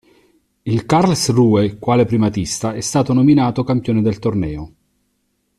Il Karlsruhe, quale primatista, è stato nominato campione del torneo.